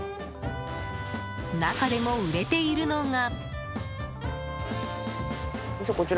中でも売れているのが。